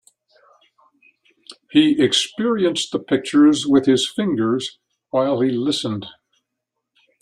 He experienced the pictures with his fingers while he listened.